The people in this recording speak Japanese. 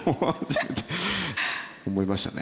思いましたね。